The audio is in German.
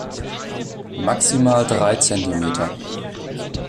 Maximal drei Zentimeter.